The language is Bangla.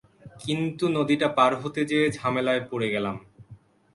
কিন্তু নদীটা পার হতে যেয়ে ঝামেলায় পড়ে গেলাম।